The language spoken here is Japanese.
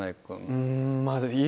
うんまぁ。